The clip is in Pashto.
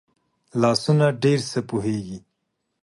لاسونه ډېر څه پوهېږي